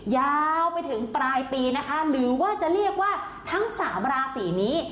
ยาวไปถึงปลายปีนะคะหรือว่าจะเรียกว่าทั้งสามราศีนี้